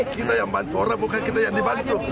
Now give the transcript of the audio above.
kita yang bantu orang bukan kita yang dibantu